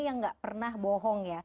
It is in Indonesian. yang nggak pernah bohong ya